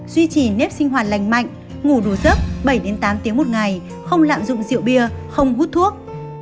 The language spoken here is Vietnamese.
duy trì nếp sinh hoạt lành mạnh ngủ đủ giấc bảy tám tiếng một ngày không lạm dụng rượu bia không hút thuốc